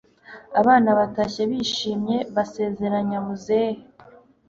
abana batashye bishimye basezeranya muzehe